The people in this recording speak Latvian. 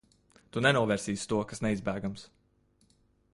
Tu nenovērsīsi to, kas neizbēgams.